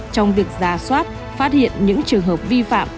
trong việc giả soát phát hiện những trường hợp vi phạm